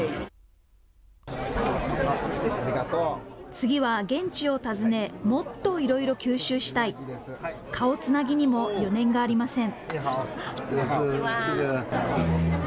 次は現地を訪ね、もっといろいろ吸収したい、顔つなぎにも余念がありません。